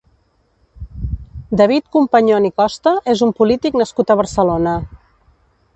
David Companyon i Costa és un polític nascut a Barcelona.